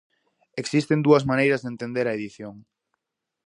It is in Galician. Existen dúas maneiras de entender a edición.